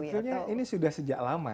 sebetulnya ini sudah sejak lama